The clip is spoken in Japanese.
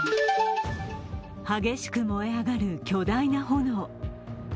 激しく燃え上がる巨大な炎。